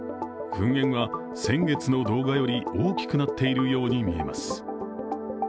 噴煙は先月の動画より大きくなっているように見えます。